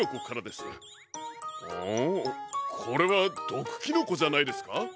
これはどくキノコじゃないですか？